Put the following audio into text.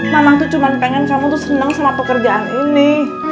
mama tuh cuma pengen kamu tuh seneng sama pekerjaan ini